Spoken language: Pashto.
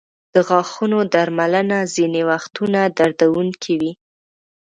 د غاښونو درملنه ځینې وختونه دردونکې وي.